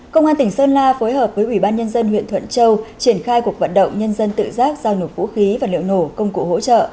công an tỉnh sơn la phối hợp với ubnd huyện thuận châu triển khai cuộc vận động nhân dân tự giác giao nộp vũ khí và liệu nổ công cụ hỗ trợ